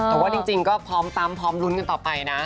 แต่ว่าจริงก็พร้อมปั๊มพร้อมลุ้นกันต่อไปนะ